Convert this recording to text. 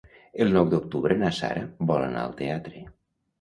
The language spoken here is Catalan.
El nou d'octubre na Sara vol anar al teatre.